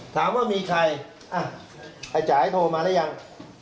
ถามว่ามีใครอาจ่ายโทรมาแล้วยัง